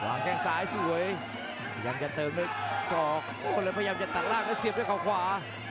แข้งซ้ายสวยพยายามจะเติมด้วยศอกก็เลยพยายามจะตัดล่างแล้วเสียบด้วยเขาขวา